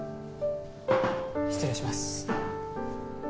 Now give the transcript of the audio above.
失礼します。